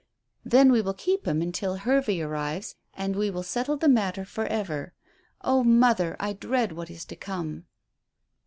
Then we will keep him until Hervey arrives, and we will settle the matter for ever. Oh, mother, I dread what is to come."